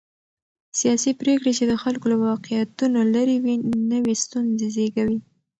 سیاسي پرېکړې چې د خلکو له واقعيتونو لرې وي، نوې ستونزې زېږوي.